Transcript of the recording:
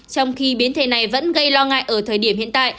trong khi biến thể này vẫn gây lo ngại ở thời điểm hiện tại